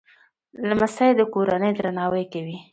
لمسی د کورنۍ درناوی کوي.